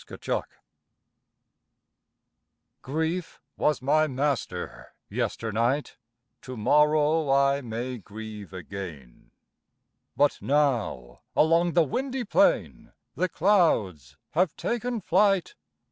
IN MAY Grief was my master yesternight; To morrow I may grieve again; But now along the windy plain The clouds have taken flight.